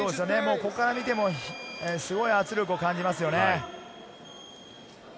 ここから見ても、すごい圧力を感じますよね。